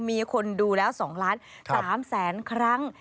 มีคนดูแล้ว๒๓ล้านครั้ง